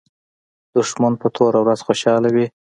دښمن په توره ورځ خوشاله وي